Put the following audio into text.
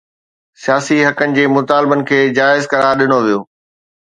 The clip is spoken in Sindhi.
سياسي حقن جي مطالبن کي جائز قرار ڏنو ويو